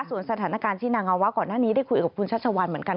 ส่วนสถานการณ์ที่นางวาวะก่อนหน้านี้ได้คุยกับคุณชัชวัลเหมือนกัน